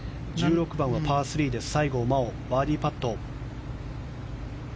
１６番をパー３で西郷真央、バーディーパット。